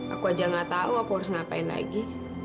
aku aja gak tahu aku harus ngapain lagi